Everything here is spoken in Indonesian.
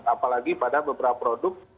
apalagi pada beberapa produk